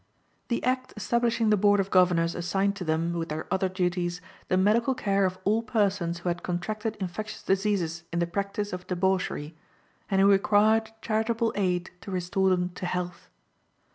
The act establishing the Board of Governors assigned to them, with their other duties, _the medical care of all persons who had contracted infectious diseases in the practice of debauchery, and who required charitable aid to restore them to health_.